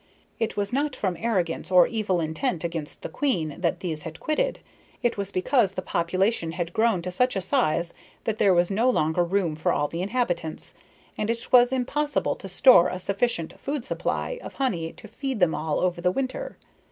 It was not from arrogance or evil intent against the queen that these had quitted; it was because the population had grown to such a size that there was no longer room for all the inhabitants, and it was impossible to store a sufficient food supply of honey to feed them all over the winter.